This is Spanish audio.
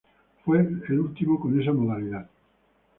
Fue el último con esa modalidad.